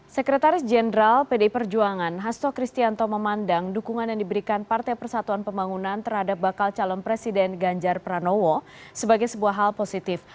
sekretaris jenderal pdi perjuangan hasto kristianto memandang dukungan yang diberikan partai persatuan pembangunan terhadap bakal calon presiden ganjar pranowo sebagai sebuah hal positif